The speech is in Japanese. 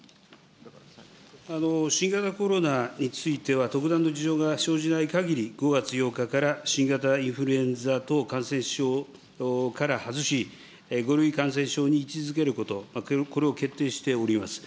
新型コロナについては、特段の事情が生じないかぎり、５月８日から新型インフルエンザ等感染症から外し、５類感染症に位置づけること、これを決定しております。